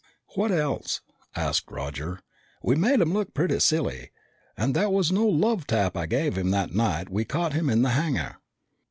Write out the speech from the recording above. "What else?" asked Roger. "We made him look pretty silly. And that was no love tap I gave him that night we caught him in the hangar."